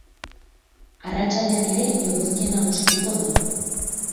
Arratsaldean ere eguzkia nagusituko da.